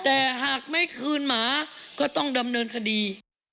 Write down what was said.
แต่หากไม่คืนหมาก็ต้องดำเนินคดี